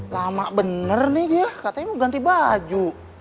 lama bener nih dia katanya mau ganti baju